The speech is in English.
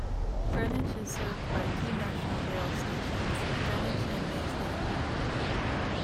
Greenwich is served by two National Rail stations, Greenwich and Maze Hill.